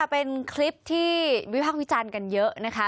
เป็นคลิปที่วิพากษ์วิจารณ์กันเยอะนะคะ